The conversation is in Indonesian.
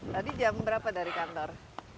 tadi jam berapa dari kantor